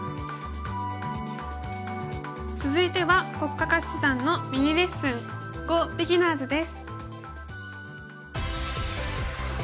続いては黒嘉嘉七段のミニレッスン「ＧＯビギナーズ」です。